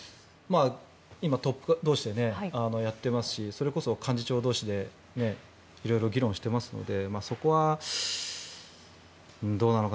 今トップ同士でやってますしそれこそ幹事長同士で色々、議論してますのでそこはどうなのか